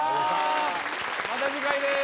また次回です